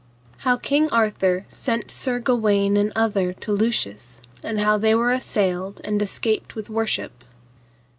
How King Arthur sent Sir Gawaine and other to Lucius, and how they were assailed and escaped with worship.